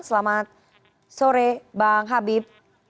selamat sore bang habib